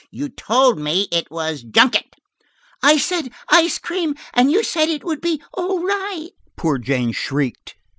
You told me it was junket." "I said ice cream, and you said it would be all right," poor Jane shrieked.